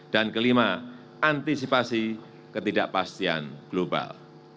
dan kelima antisipasi ketidakpastian global